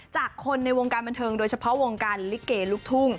จากคนในวงการบันเทิงโดยเฉพาะวงการลิเกลูกทุ่ง